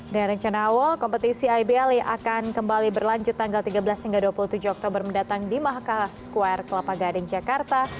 dari rencana awal kompetisi ibl akan kembali berlanjut tanggal tiga belas hingga dua puluh tujuh oktober mendatang di mahaka square kelapa gading jakarta